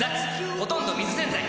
ほとんど水洗剤